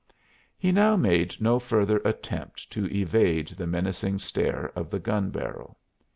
He now made no further attempt to evade the menacing stare of the gun barrel.